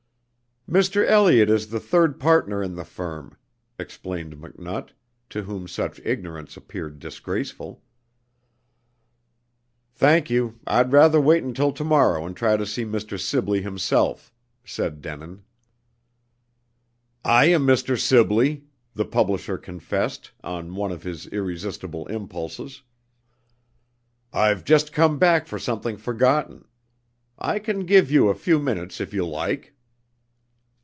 "Mr. Elliot is the third partner in the firm," explained McNutt, to whom such ignorance appeared disgraceful. "Thank you, I'd rather wait until to morrow and try to see Mr. Sibley himself," said Denin. "I am Mr. Sibley," the publisher confessed, on one of his irresistible impulses. "I've just come back for something forgotten. I can give you a few minutes if you like."